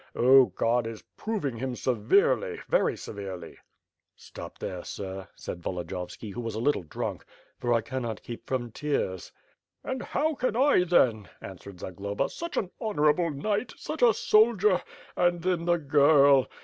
Oh, God is proving him severely, very severely." Stop there, sir," said Volodiyovski, who was a little drunk, f or I cannot keep from tears." And how can I then," answered Zagloba, "such an honor able knight, such a soldier. .. and then the girl!